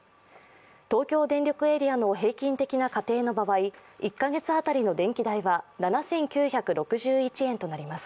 東京電力エリアの平均的な家庭の場合１カ月あたりの電気代は７９６１円となります。